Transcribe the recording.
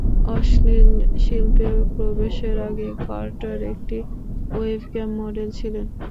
অশ্লীল শিল্পে প্রবেশের আগে কার্টার একটি ওয়েবক্যাম মডেল ছিলেন।